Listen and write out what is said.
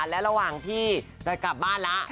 และระหว่างที่จะกลับบ้านแล้ว